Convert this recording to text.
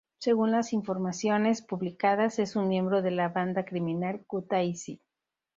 Según las informaciones publicadas, es un miembro de la banda criminal "Kutaisi".